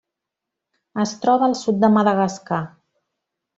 Es troba al sud de Madagascar.